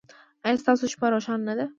ایا ستاسو شپه روښانه نه ده؟